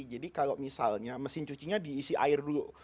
jadi kalau misalnya mesin cucinya diisi air dulu